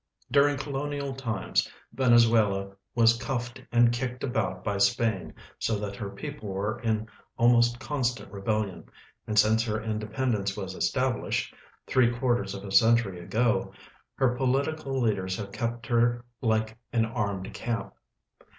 During colonial times Venezuela was cuffed and kicked about by Spain so that her peoi>le were in almost con stant rebellion, and since her independence was estal)lished, three ([uarters of a century ago, her political leaders have ke})t her like an armed camp.